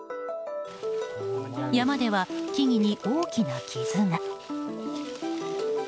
山では木々に大きな傷が。